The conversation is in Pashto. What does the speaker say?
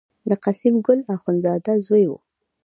د قسیم ګل اخوندزاده زوی و.